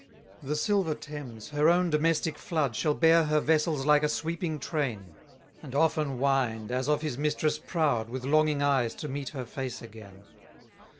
298 The silver Thames, her own domestic flood, Shall bear her vessels like a sweeping train; And often wind, as of his mistress proud, With longing eyes to meet her face again.